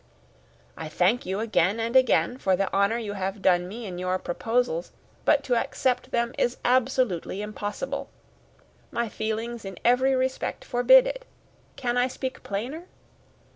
I thank you again and again for the honour you have done me in your proposals, but to accept them is absolutely impossible. My feelings in every respect forbid it. Can I speak plainer?